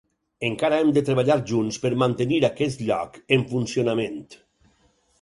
Encara hem de treballar junts per mantenir aquest lloc en funcionament.